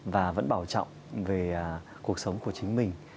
và vẫn bảo trọng về cuộc sống của chính mình